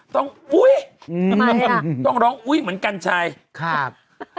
อุ้ยต้องร้องอุ้ยเหมือนกันชัยครับ